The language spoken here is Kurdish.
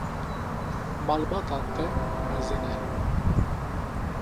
Malbata te mezin e?